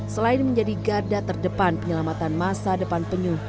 selain menjadi garda terdepan penyelamatan masa depan penyu